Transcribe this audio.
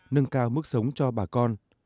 nâng cao mức sống cho bà con